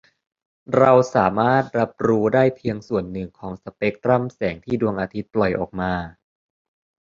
เราสามารถรับรู้ได้เพียงส่วนหนึ่งของสเปกตรัมแสงที่ดวงอาทิตย์ปล่อยออกมา